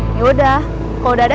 kalau udah ada jangan berbicara